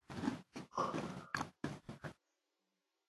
ললিতা তাহাকে ধরিয়া জিজ্ঞাসা করি, সেখানে গিয়ে কী করিস?